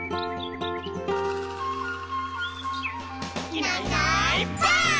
「いないいないばあっ！」